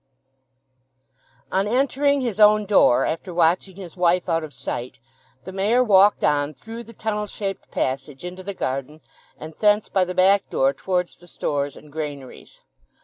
XII. On entering his own door after watching his wife out of sight, the Mayor walked on through the tunnel shaped passage into the garden, and thence by the back door towards the stores and granaries.